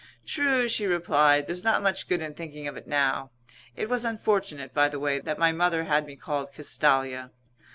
"True," she replied. "There's not much good in thinking of it now. It was unfortunate, by the way, that my mother had me called Castalia."